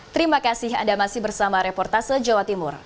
terima kasih anda masih bersama reportase jawa timur